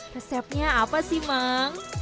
resepnya apa sih mang